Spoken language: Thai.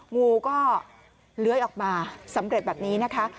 งูก็เลื้อยออกมาสำเร็จแบบนี้นะคะ